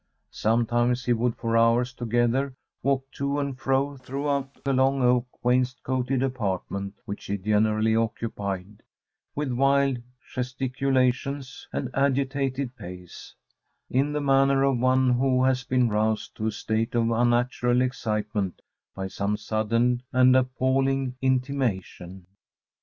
Sometimes he would for hours together walk to and fro throughout the long oak wainscoted apartment which he generally occupied, with wild gesticulations and agitated pace, in the manner of one who has been roused to a state of unnatural excitement by some sudden and appalling intimation.